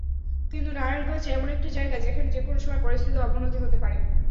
কিন্তু নারায়ণগঞ্জ এমন একটা জায়গা, যেখানে যেকোনো সময় পরিস্থিতির অবনতি হতে পারে।